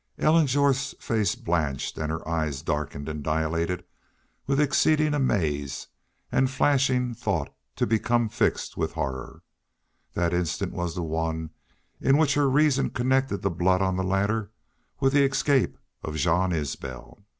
Ellen Jorth's face blanched and her eyes darkened and dilated with exceeding amaze and flashing thought to become fixed with horror. That instant was the one in which her reason connected the blood on the ladder with the escape of Jean Isbel.